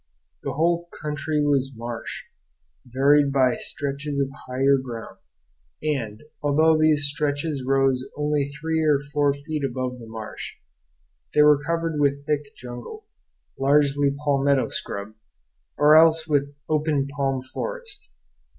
The whole country was marsh, varied by stretches of higher ground; and, although these stretches rose only three or four feet above the marsh, they were covered with thick jungle, largely palmetto scrub, or else with open palm forest.